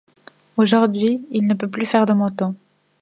Aujourd'hui, il ne peut plus faire de moto.